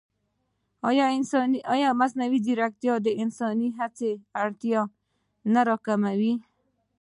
ایا مصنوعي ځیرکتیا د انساني هڅې اړتیا نه راکموي؟